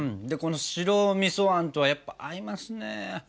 でこの白みそあんとやっぱ合いますね。